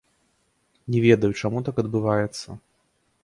Не ведаю, чаму так адбываецца.